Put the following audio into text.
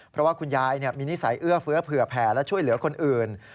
เพราะว่าคุณยายมีนิสัยเอื้อเฟื้อเผื่อแผ่และช่วยเหลือคนอื่น